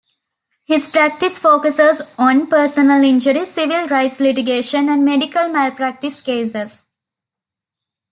His practice focuses on personal injury, civil rights litigation and medical malpractice cases.